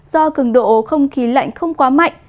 do cường độ không khí lạnh không quá mạnh